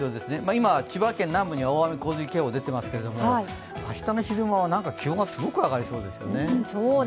今、千葉県南部には大雨洪水警報が出ていますが明日の昼間は気温がすごく上がりそうですよね。